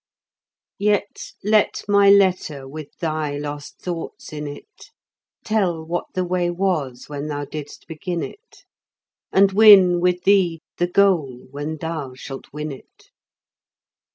Yet let my letter with thy lost thoughts in it Tell what the way was when thou didst begin it, And win with thee the goal when thou shalt win it.